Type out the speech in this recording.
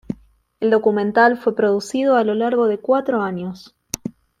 El documental fue producido a lo largo de cuatro años.